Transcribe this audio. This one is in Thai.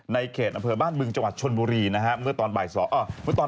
ในเขตอเผลอบ้านบึงจังหวัดชนบุรีเมื่อตอนบ่ายของวันที่๒มกราน